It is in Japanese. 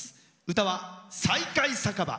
歌は「再会酒場」。